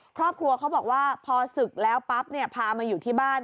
ครอบครัวเขาบอกว่าพอศึกแล้วปั๊บเนี่ยพามาอยู่ที่บ้าน